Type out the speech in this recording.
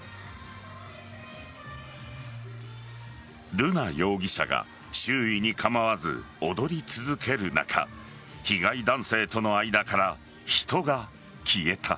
瑠奈容疑者が周囲に構わず踊り続ける中被害男性との間から人が消えた。